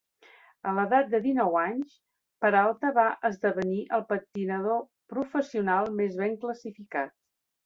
A l'edat de dinou anys, Peralta va esdevenir el patinador professional més ben classificat.